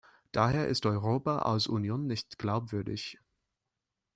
Daher ist Europa als Union nicht glaubwürdig.